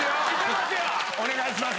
お願いします。